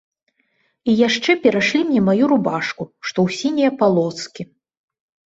І яшчэ перашлі мне маю рубашку, што ў сінія палоскі.